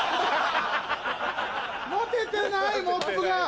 持ててないモップが。